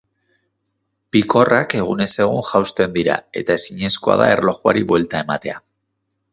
Pikorrak egunez egun jausten dira eta ezinezkoa da erlojuari buelta ematea.